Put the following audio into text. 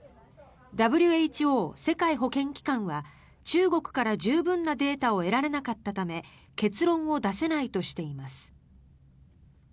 ＷＨＯ・世界保健機関は中国から十分なデータを得られなかったため結論を出せないとしています。